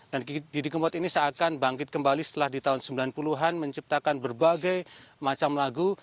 dan didi kempot ini seakan bangkit kembali setelah di tahun sembilan puluh an menciptakan berbagai macam lagu